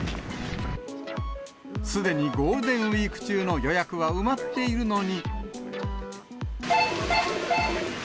すでにゴールデンウィーク中の予約は埋まっているのに。